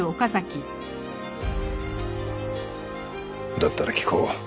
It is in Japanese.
だったら聞こう。